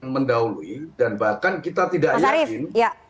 mendahului dan bahkan kita tidak yakin